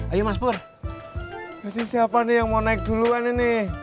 ayo mas pur masih siapa nih yang mau naik duluan ini